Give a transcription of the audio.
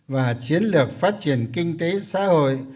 và chiến lược phát triển kinh tế xã hội